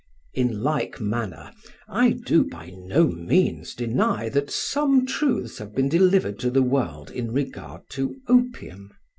In like manner, I do by no means deny that some truths have been delivered to the world in regard to opium.